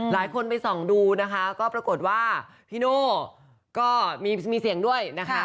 หลายคนไปส่องดูนะคะก็ปรากฎว่าพิโนมีเสียงด้วยนะคะ